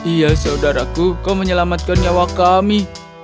iya saudaraku kau menyelamatkan nyawa kami